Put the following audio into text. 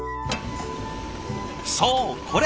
そうこれ！